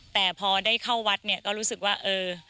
แต่พอได้เข้าวัดเนี่ยก็รู้สึกว่าเออ